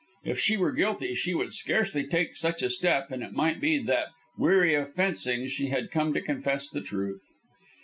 If she were guilty, she would scarcely take such a step; and it might be that, weary of fencing, she had come to confess the truth.